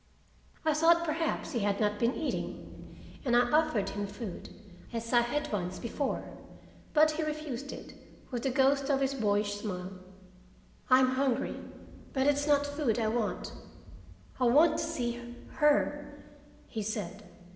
I thought perhaps he had not been eating and I offered him food, as I had once before. But he refused it, with the ghost of his boyish smile. "I'm hungry, but it's not food I want. I want to see her," he said.